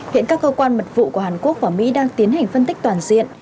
hiện các cơ quan mật vụ của hàn quốc và mỹ đang tiến hành phân tích toàn diện